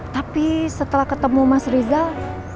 tapi setelah ketemu mas rizal